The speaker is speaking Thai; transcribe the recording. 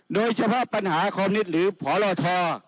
โดยเฉพาะปัญหาคมนิษฐ์หรือผลท่อ